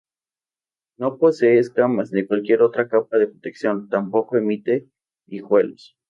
No posee escamas ni cualquier otra capa de protección, tampoco emite hijuelos.